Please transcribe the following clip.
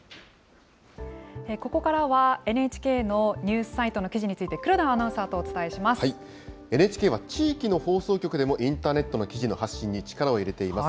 ここからは、ＮＨＫのニュースサイトの記事について、黒田アＮＨＫは地域の放送局でもインターネットの記事の発信に力を入れています。